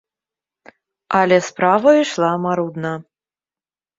Але справа ішла марудна.